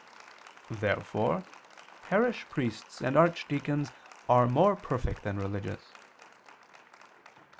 Therefore parish priests and archdeacons are more perfect than religious.